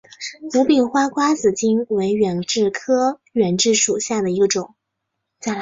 无柄花瓜子金为远志科远志属下的一个种。